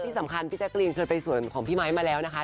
ที่สำคัญพี่แจ๊กรีนเคยไปส่วนของพี่ไมค์มาแล้วนะคะ